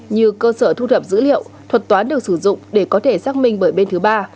như cơ sở thu thập dữ liệu thuật toán được sử dụng để có thể xác minh bởi bên thứ ba